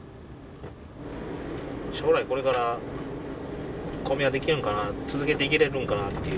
将来これから米屋できるんかな続けていけられるんかなっていう